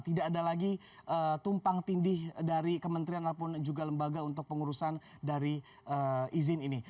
tidak ada lagi tumpang tindih dari kementerian ataupun juga lembaga untuk pengurusan dari izin ini